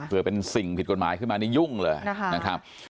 เพื่อเป็นสิ่งผิดกฎหมายขึ้นมานี่ยุ่งเลยนะครับ